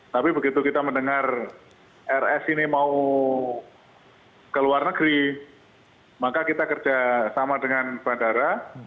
tapi begitu kita mendengar rs ini mau ke luar negeri maka kita kerjasama dengan bandara